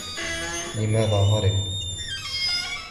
لماذ هرب؟